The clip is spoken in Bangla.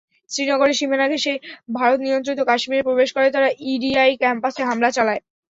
শ্রীনগরের সীমানা ঘেঁষে ভারতনিয়ন্ত্রিত কাশ্মীরে প্রবেশ করে তারা ইডিআই ক্যাম্পাসে হামলা চালায়।